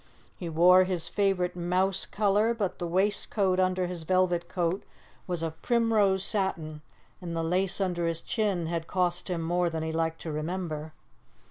He wore his favourite mouse colour, but the waistcoat under his velvet coat was of primrose satin, and the lace under his chin had cost him more than he liked to remember.